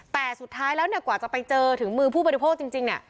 แต่สุดท้ายแล้วกว่าจะไปเจอถึงมือผู้บริโภคจริง